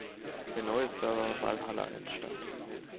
Der neue Server Valhalla entstand.